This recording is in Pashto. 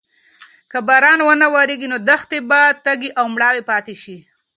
که باران ونه وریږي نو دښتې به تږې او مړاوې پاتې شي.